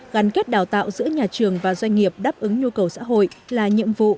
gắn kết đào tạo giữa nhà trường và doanh nghiệp đáp ứng nhu cầu xã hội là nhiệm vụ